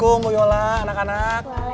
somba bu yola anak anak